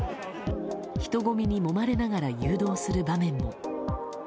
人混みにもまれながら誘導する場面も。